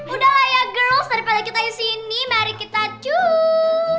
udahlah ya girls daripada kita disini mari kita cus